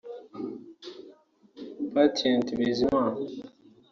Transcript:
Patient Bizimana